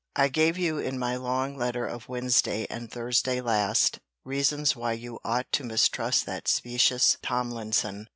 I gave you, in my long letter of Wednesday and Thursday last, reasons why you ought to mistrust that specious Tomlinson.